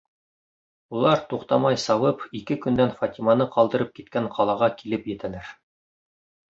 Улар, туҡтамай сабып, ике көндән Фатиманы ҡалдырып киткән ҡалаға килеп етәләр.